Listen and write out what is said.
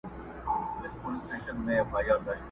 په هره څانګه هر پاڼه کي ویشتلی چنار!!